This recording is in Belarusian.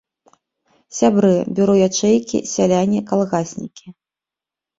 Сябры бюро ячэйкі, сяляне, калгаснікі.